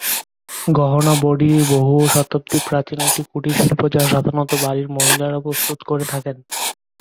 গহনা বড়ি বহু শতাব্দী প্রাচীন একটি কুটির শিল্প যা সাধারণত বাড়ির মহিলারা প্রস্তুত করে থাকেন।